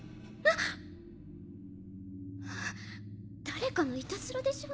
誰かのいたずらでしょ？